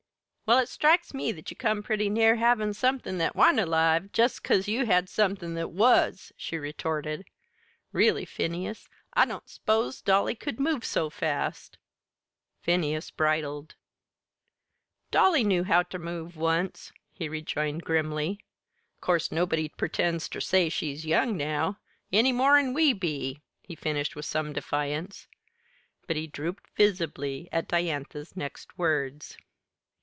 "Well, it strikes me that you come pretty near havin' somethin' that wa'n't alive jest 'cause you had somethin' that was!" she retorted. "Really, Phineas, I didn't s'pose Dolly could move so fast!" Phineas bridled. "Dolly knew how ter move once," he rejoined grimly. "'Course nobody pretends ter say she's young now, any more 'n we be," he finished with some defiance. But he drooped visibly at Diantha's next words.